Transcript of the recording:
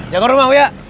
jaga rumah wia